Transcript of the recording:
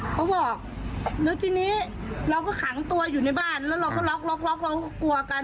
เขาบอกแล้วทีนี้เราก็ขังตัวอยู่ในบ้านแล้วเราก็ล็อกล็อกเราก็กลัวกัน